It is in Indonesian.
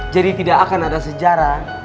jadi tidak akan ada sejarah